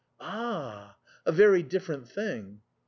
" Ah, a very different thing."